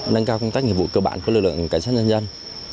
nâng cao công tác nghiệp vụ cơ bản của lực lượng cảnh sát nhân dân